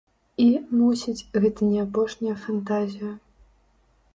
І, мусіць, гэта не апошняя фантазія.